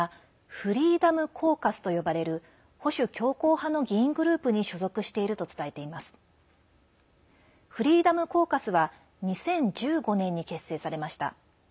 フリーダム・コーカスは２０１５年に結成されました。